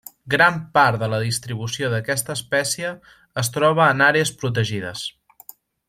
Gran part de la distribució d'aquesta espècie es troba en àrees protegides.